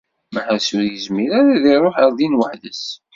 Meḥrez ur yezmir ara ad iṛuḥ ar din weḥd-s.